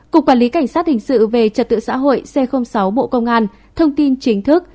cục quản lý cảnh sát hình sự về trật tự xã hội c sáu bộ công an thông tin chính thức